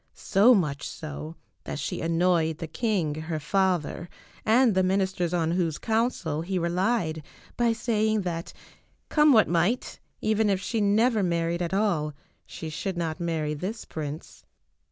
So much so that she annoyed the king, her father, and the ministers on whose counsel he relied by saying that, come what might, even if she never married at all, she should not marry this prince.